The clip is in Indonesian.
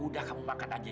terima kasih mas